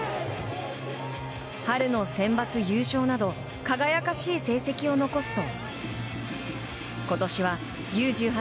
春のセンバツ優勝など輝かしい成績を残すと今年はＵ‐１８